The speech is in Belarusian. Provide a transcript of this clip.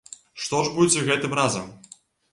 Што ж будзе гэтым разам?